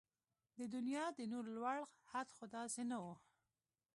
د دنيا د نور لوړ حد خو داسې نه و